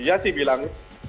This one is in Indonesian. iya dia sih bilang